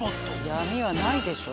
闇はないでしょ。